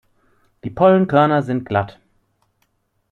Die Pollenkörner sind glatt.